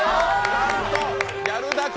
なんとギャルダコ。